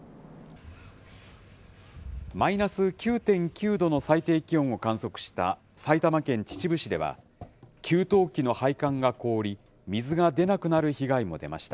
マイナス９．９度の最低気温を観測した、埼玉県秩父市では、給湯器の配管が凍り、水が出なくなる被害も出ました。